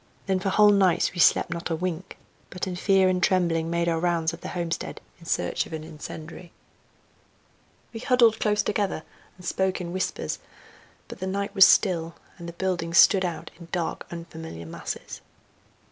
Then for whole nights we slept not a wink, but in fear and trembling made our rounds of the homestead in search of an incendiary. We huddled close together and spoke in whispers; but the night was still, and the buildings stood out in dark, unfamiliar masses.